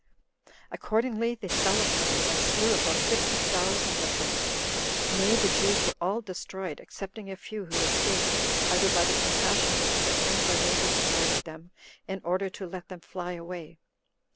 Accordingly, they fell upon them, and slew about fifty thousand of them; nay, the Jews were all destroyed, excepting a few who escaped, either by the compassion which their friends or neighbors afforded them, in order to let them fly away.